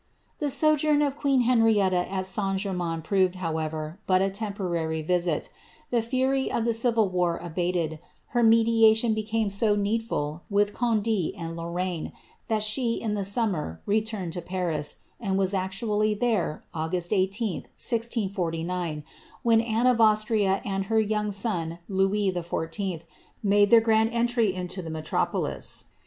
The sojourn of queen Henrietta at St. Germains proved, however, but a lemporwry visit The fury of the civil war abated ; her mediation be rame so needful with Condc and Lorraine, that she in the summer rvtumed to Paris, and was actually there, August 18, 1640, when Anne of Austria and her young son, Louis XIV., made their grand entry into the metropolis.